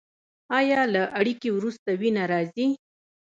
ایا له اړیکې وروسته وینه راځي؟